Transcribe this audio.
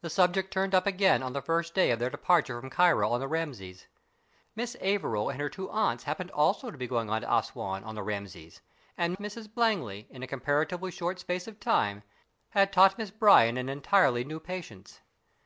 The subject turned up again on the first day of their departure from Cairo on the Rameses. Miss Averil and her two aunts happened also to be going on to Assouan on the Rameses, and Mrs Langley, in a comparatively short space of time, had taught Miss Bryan an entirely new patience.